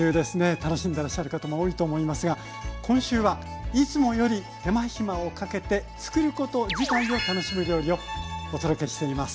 楽しんでらっしゃる方も多いと思いますが今週はいつもより手間暇をかけてつくること自体を楽しむ料理をお届けしています。